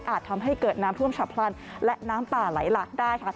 ทำให้เกิดน้ำท่วมฉับพลันและน้ำป่าไหลหลากได้ค่ะ